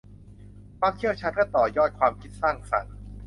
ความเชี่ยวชาญเพื่อต่อยอดความคิดสร้างสรรค์